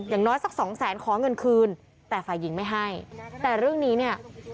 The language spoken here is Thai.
อย่างน้อยสักสองแสนขอเงินคืนแต่ฝ่ายหญิงไม่ให้แต่เรื่องนี้เนี่ย